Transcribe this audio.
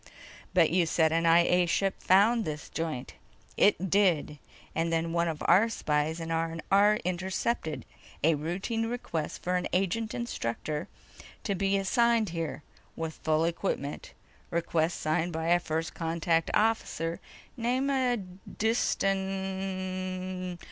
"But you said an I A ship found this joint." "It did. And then one of our spies in R&R intercepted a routine request for an agent instructor to be assigned here with full equipment. Request signed by a First Contact officer name of Diston ...